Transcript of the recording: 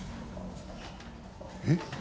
えっ！？